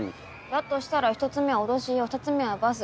だとしたら１つ目は脅し用２つ目はバス。